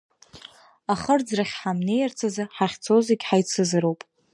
Ахырӡрахь ҳамнеирц азы ҳахьцо зегьы ҳаицызароуп!